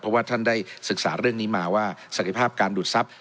เพราะว่าท่านได้ศึกษาเรื่องนี้มาว่าศักยภาพการดูดทรัพย